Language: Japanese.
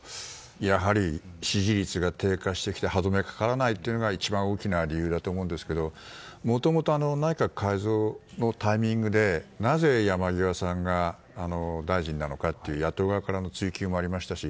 やはり、支持率が低下してきて歯止めがかからないというのが一番大きな理由だと思うんですけどもともと内閣改造のタイミングでなぜ山際さんが大臣なのかという野党側からの追及もありましたし。